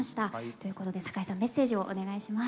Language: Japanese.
ということで酒井さんメッセージをお願いします。